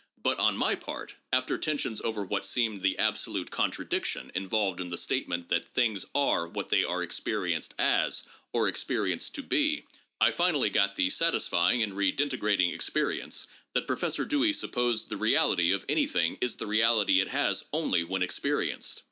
But on my part, after tensions over what seemed the absolute contradiction in volved in the statement that "things are what they are experienced as, or experienced to be," I finally got the satisfying and redinte grating experience that Professor Dewey supposed the reality of any thing is the reality it has only when experienced.